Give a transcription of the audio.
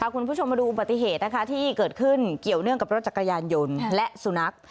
คุณผู้ชมมาดูอุบัติเหตุที่เกิดขึ้นเกี่ยวเนื่องกับรถจักรยานยนต์และสุนัข